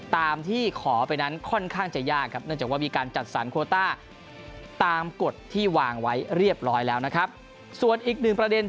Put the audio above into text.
ตามที่ขอไปนั้นค่อนข้างจะยากครับเนื่องจากว่ามีการจัดสรรโคต้าตามกฎที่วางไว้เรียบร้อยแล้วนะครับส่วนอีกหนึ่งประเด็น